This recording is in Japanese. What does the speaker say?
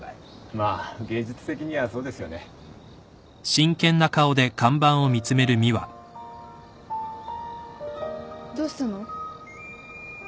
まあ現実的にはそうですよね。どうしたの？